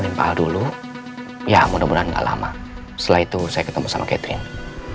halo pak halo ren kamu temui saya di jalan kasuari sekarang ya